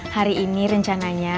hari ini rencananya